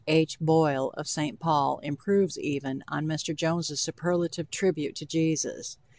H. Boyle, of St. Paul, improves even on Mr. Jones' superlative tribute to Jesus.